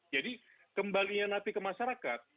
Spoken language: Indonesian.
jadi kembalinya napi ke masyarakat